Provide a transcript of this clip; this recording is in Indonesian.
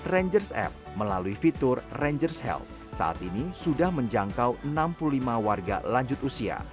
rangers app melalui fitur rangers health saat ini sudah menjangkau enam puluh lima warga lanjut usia